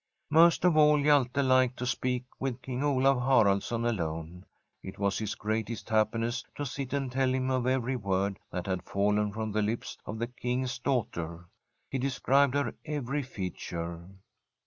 Most of all Hjalte liked to speak with King Olaf Haraldsson alone. It was his greatest happiness to sit and tell him of every word that had fallen from the lips of the King's daughter. He de scribed her every feature.